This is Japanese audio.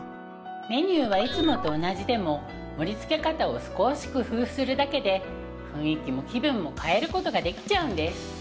メニューはいつもと同じでも盛りつけ方を少し工夫するだけで雰囲気も気分も変えることができちゃうんです